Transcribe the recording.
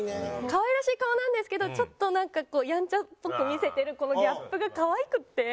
可愛らしい顔なんですけどちょっとなんかやんちゃっぽく見せてるこのギャップが可愛くって。